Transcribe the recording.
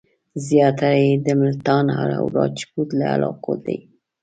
زیاتره یې د ملتان او راجپوت له علاقو دي.